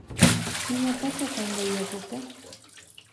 Imapata kanka yakuka